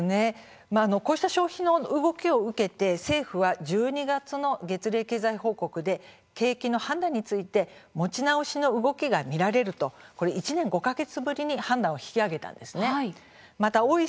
こうした消費の動きを受けて政府は１２月の月例経済報告で景気の判断について持ち直しの動きが見られると１年５か月ぶりに判断を引き上げました。